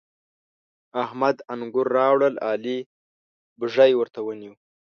احمد انګور راوړل؛ علي بږۍ ورته ونيو.